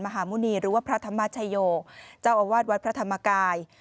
มหาหมุณีหรือว่าพระธรรมชโยเจ้าอาวาสวัดพระธรรมกาย